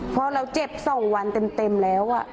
เพราะเราเจ็บ๒วันเต็มแล้ว